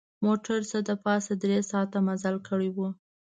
موټر څه د پاسه درې ساعته مزل کړی و.